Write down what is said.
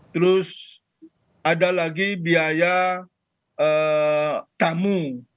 terus ada lagi biaya tamu